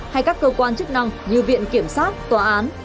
hay các cơ quan chức năng như viện kiểm sát tòa án